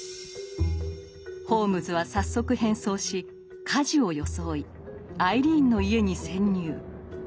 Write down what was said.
ホームズは早速変装し火事を装いアイリーンの家に潜入。